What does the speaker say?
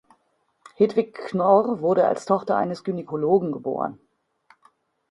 Hedwig Knorr wurde als Tochter eines Gynäkologen geboren.